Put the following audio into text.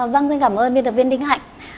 vâng xin cảm ơn biên tập viên đinh hạnh